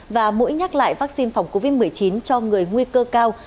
và mũi nhắc lại vaccine phòng covid một mươi chín cho người nguy cơ cao